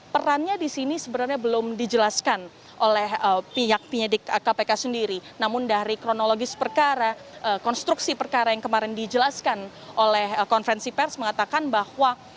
perannya di sini sebenarnya belum dijelaskan oleh pihak penyidik kpk sendiri namun dari kronologis perkara konstruksi perkara yang kemarin dijelaskan oleh konferensi pers mengatakan bahwa